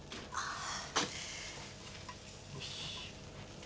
ああ。